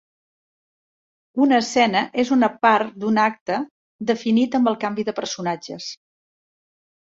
Una escena és una part d'un acte definit amb el canvi de personatges.